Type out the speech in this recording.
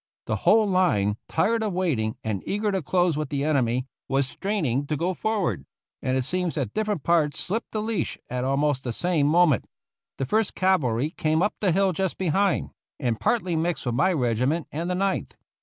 The whole line, tired of waiting, and eager to close with the enemy, was straining to go forward ; and it seems that differ ent parts slipped the leash at almost the same mo ment. The First Cavalry came up the hill just behind, and partly mixed with my regiment and the Ninth.